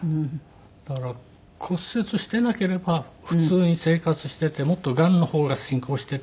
だから骨折していなければ普通に生活していてもっとがんの方が進行していて。